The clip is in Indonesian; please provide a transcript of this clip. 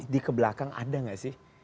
di kebelakang ada nggak sih